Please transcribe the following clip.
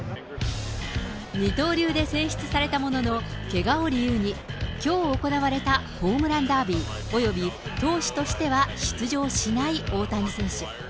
二刀流で選出されたものの、けがを理由に、きょう行われたホームランダービー、および投手としては出場しない大谷選手。